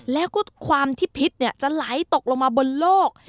แล้วก็ความที่พิษจะไหลตกลงมาบนโลก